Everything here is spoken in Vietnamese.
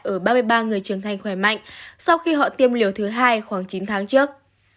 ở ba mươi ba người trưởng thành khỏe mạnh sau khi họ tiêm liều thứ hai khoảng chín tháng trước